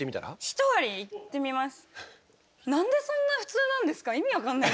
ひとアリいってみます。